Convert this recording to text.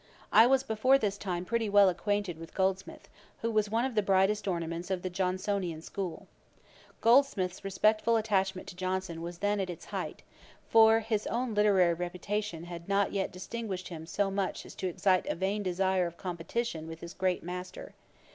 I was before this time pretty well acquainted with Goldsmith, who was one of the brightest ornaments of the Johnsonian school. Goldsmith's respectful attachment to Johnson was then at its height; for his own literary reputation had not yet distinguished him so much as to excite a vain desire of competition with his great Master.